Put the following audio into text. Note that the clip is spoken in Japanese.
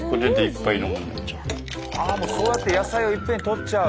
そうやって野菜をいっぺんにとっちゃう。